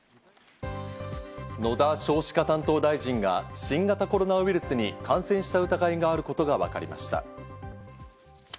野田少子化担当大臣が新型コロナウイルスに感染した疑いがあることがわかりました。